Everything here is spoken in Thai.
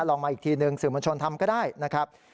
ลองมาอีกทีหนึ่งสื่อมวลชนทำก็ได้นะครับ